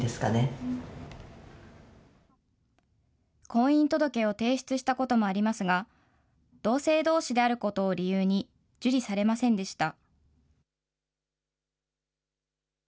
婚姻届を提出したこともありますが、同性どうしであることを理由に、受理されませんでした。